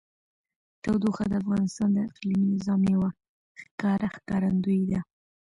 تودوخه د افغانستان د اقلیمي نظام یوه ښکاره ښکارندوی ده.